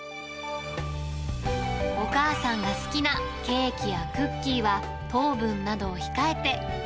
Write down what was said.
お母さんが好きなケーキやクッキーは、糖分などを控えて。